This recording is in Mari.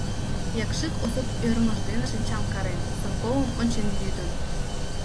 Якшик Осып ӧрмыж дене шинчам карен, Санковым ончен лӱдын.